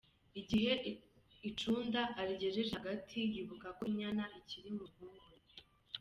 Igihe icunda arigejeje hagati, yibuka ko inyana ikiri mu ruhongore.